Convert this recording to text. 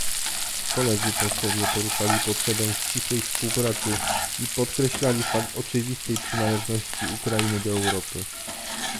Koledzy posłowie poruszali potrzebę ścisłej współpracy i podkreślali fakt oczywistej przynależności Ukrainy do Europy